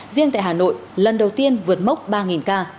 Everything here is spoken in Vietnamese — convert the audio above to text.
riêng tại hà nội lần đầu tiên vượt mốc ba ca